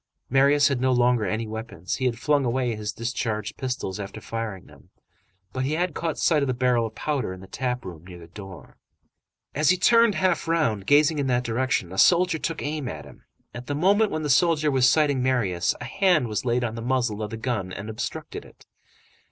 Marius had no longer any weapons; he had flung away his discharged pistols after firing them; but he had caught sight of the barrel of powder in the tap room, near the door. As he turned half round, gazing in that direction, a soldier took aim at him. At the moment when the soldier was sighting Marius, a hand was laid on the muzzle of the gun and obstructed it.